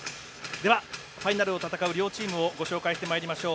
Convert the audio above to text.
では、ファイナルを戦う両チームをご紹介してまいりましょう。